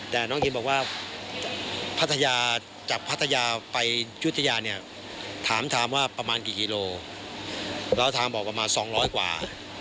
แต่น้องอินบอกว่าพัทยาจากพัทยาไปยุธยาเนี่ยถามถามว่าประมาณกี่กิโลแล้วทางบอกประมาณ๒๐๐กว่า